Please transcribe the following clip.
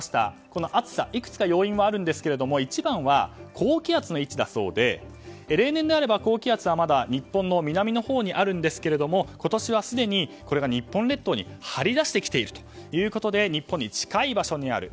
この暑さ、いくつか要因があるんですが一番は、高気圧の位置だそうで例年であれば高気圧はまだ日本の南のほうにあるんですが今年はすでに、これが日本列島に張り出してきているということで日本に近い場所にある。